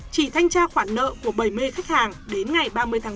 chỉ thanh tra khoản nợ của bảy mươi khách hàng đến ngày ba mươi sáu hai nghìn hai mươi